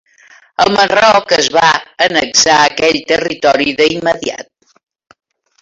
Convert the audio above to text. El Marroc es va annexar aquell territori d'immediat.